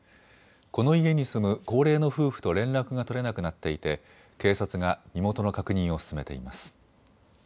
この家に住む高齢の夫婦と連絡が取れなくなっていて警察が身元の確認を進めています。